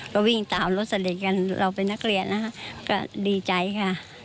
ก็วิ่งตามรถเสด็จกันเราเป็นนักเรียนนะคะก็ดีใจค่ะ